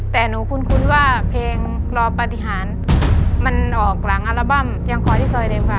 แต่หนูคุ้นว่าเพลงรอปฏิหารมันออกหลังอัลบั้มยังคอยที่ซอยเดิมค่ะ